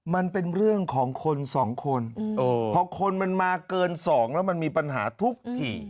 มันเป็นเรื่องของคนสองคนพอคนมันมาเกินสองแล้วมันมีปัญหาทุกถี่